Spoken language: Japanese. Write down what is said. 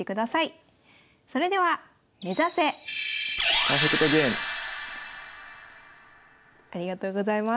それではありがとうございます。